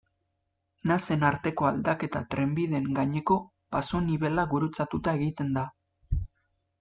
Nasen arteko aldaketa trenbideen gaineko pasonibela gurutzatuta egiten da.